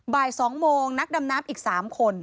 บ่าย๒โมงนักดำน้ำอีก๓คน